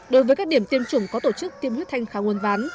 đối với các điểm tiêm chủng có tổ chức tiêm huyết thanh kháng nguồn ván